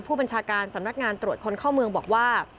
ผู้บัญชาการสำนักงานตรวจคนเข้าเมืองบอกว่า